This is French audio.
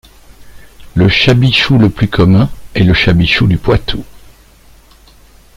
Le chabichou le plus commun est le Chabichou du Poitou.